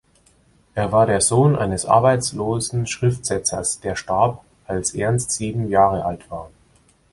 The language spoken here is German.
Er war der Sohn eines arbeitslosen Schriftsetzers, der starb, als Ernst sieben Jahre alt war.